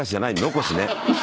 「残し」ね。